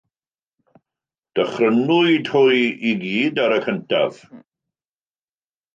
Dychrynwyd hwy i gyd ar y cyntaf.